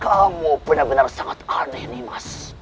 kamu benar benar sangat aneh nih mas